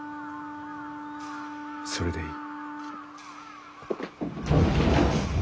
それでいい。